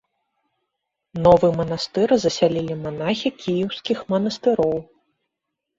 Новы манастыр засялілі манахі кіеўскіх манастыроў.